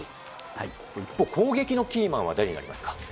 攻撃のキーマンは誰になりますか？